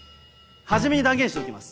初めに断言しておきます。